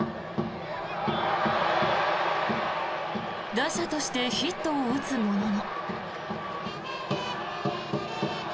打者としてヒットを打つものの。